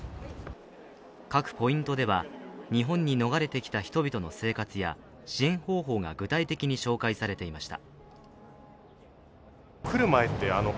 各ポイントでは日本に逃れてきた人々の生活や支援方法が具体的に紹介されていました。